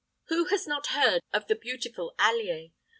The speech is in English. Who has not heard of the beautiful Allier?